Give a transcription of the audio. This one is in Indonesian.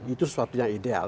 itu sesuatu yang ideal